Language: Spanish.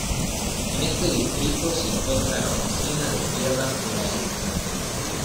En este distrito se encuentra la oficina de tierras de la isla.